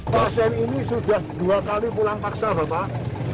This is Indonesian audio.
pasien ini sudah dua kali pulang paksa bapak